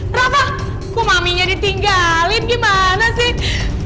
berapa kok maminya ditinggalin gimana sih